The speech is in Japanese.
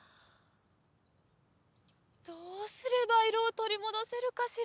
どうすればいろをとりもどせるかしら。